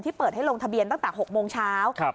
เปิดให้ลงทะเบียนตั้งแต่๖โมงเช้า